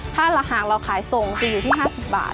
ถ้าหากเราขายส่งจะอยู่ที่๕๐บาท